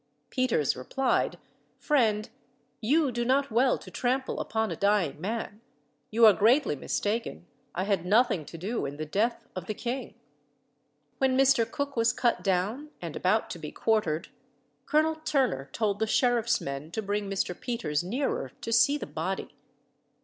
Peters replied, "Friend, you do not well to trample upon a dying man: you are greatly mistaken I had nothing to do in the death of the king." When Mr. Cook was cut down and about to be quartered, Colonel Turner told the sheriff's men to bring Mr. Peters nearer to see the body.